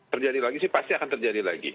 terjadi lagi sih pasti akan terjadi lagi